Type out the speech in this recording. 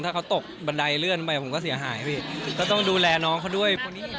ถ้าเขาตกบันไดเลื่อนไปผมก็เสียหายพี่ก็ต้องดูแลน้องเขาด้วยพวกนี้